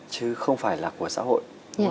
chứ không phải là của xã hội